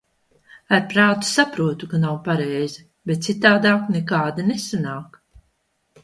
Ar prātu saprotu, ka nav pareizi, bet citādāk nekādi nesanāk.